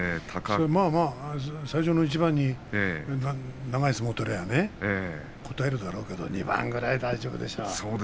まあまあ、最初の一番に長い相撲を取ればね堪えるだろうけど２番ぐらいは大丈夫でしょう？